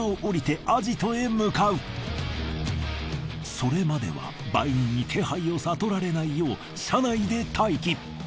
それまでは売人に気配を悟られないよう車内で待機。